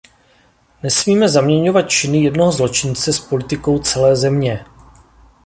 Nesmíme zaměňovat činy jednoho zločince s politikou celé země!